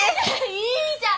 いいじゃん！